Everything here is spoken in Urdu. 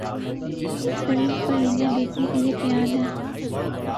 یہ تھرلر فلمیں دیکھنے کے لیے تیار ہیں